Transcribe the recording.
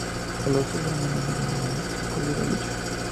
Los tres hermanos murieron en el transcurso de la lucha.